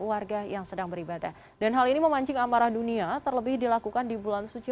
warga yang sedang beribadah dan hal ini memancing amarah dunia terlebih dilakukan di bulan suci